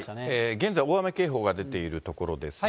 現在、大雨警報が出ている所ですが。